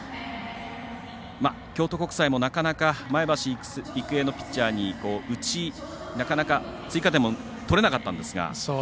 京都国際も、なかなか前橋育英のピッチャーになかなか追加点も取れなかったんですが。